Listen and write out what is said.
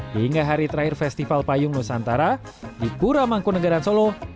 hingga hari terakhir festival payung nusantara di pura mangkunagaran solo